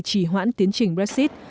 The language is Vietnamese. chỉ hoãn tiến trình brexit